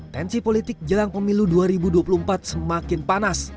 tensi politik jelang pemilu dua ribu dua puluh empat semakin panas